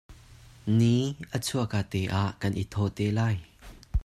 Ni a chuah ka te ah kan i thawh te lai.